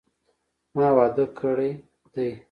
ما واده کړی دي